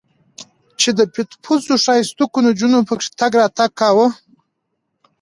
چې د پيتو پوزو ښايستوکو نجونو پکښې تګ راتګ کاوه.